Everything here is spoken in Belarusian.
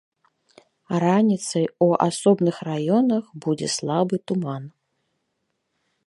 Раніцай у асобных раёнах будзе слабы туман.